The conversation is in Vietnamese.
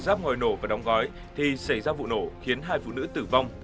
sắp ngồi nổ và đóng gói thì xảy ra vụ nổ khiến hai phụ nữ tử vong